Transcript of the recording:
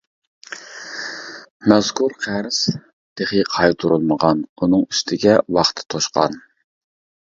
مەزكۇر قەرز تېخى قايتۇرۇلمىغان ئۇنىڭ ئۈستىگە ۋاقتى توشقان.